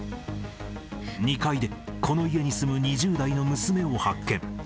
２階でこの家に住む２０代の娘を発見。